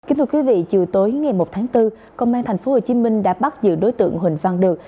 kính thưa quý vị chiều tối ngày một tháng bốn công an tp hcm đã bắt giữ đối tượng huỳnh văn được